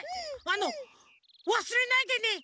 あの「わすれないでね。